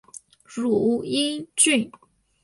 汝阴郡。